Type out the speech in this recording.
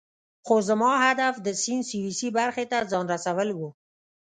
خو زما هدف د سیند سویسی برخې ته ځان رسول وو.